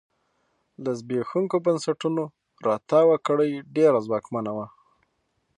له زبېښونکو بنسټونو راتاوه کړۍ ډېره ځواکمنه وه.